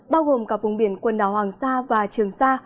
bao gồm cả vùng biển quần đảo hoàng sa và trường sa